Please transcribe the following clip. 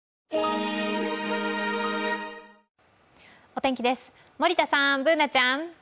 お天気です、森田さん、Ｂｏｏｎａちゃん。